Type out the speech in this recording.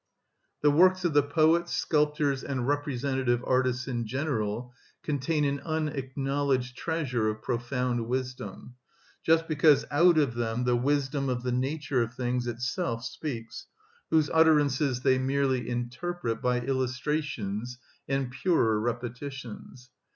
The works of the poets, sculptors, and representative artists in general contain an unacknowledged treasure of profound wisdom; just because out of them the wisdom of the nature of things itself speaks, whose utterances they merely interpret by illustrations and purer repetitions.